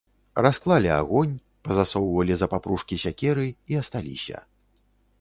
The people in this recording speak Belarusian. Расклалі агонь, пазасоўвалі за папружкі сякеры і асталіся.